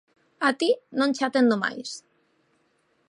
"A ti non che atendo máis".